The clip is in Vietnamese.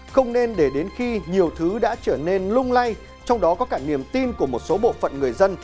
không nên để đến khi nhiều thứ đã trở nên lung lay trong đó có cả niềm tin của một số bộ phận người dân